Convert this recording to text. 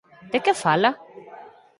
De que fala?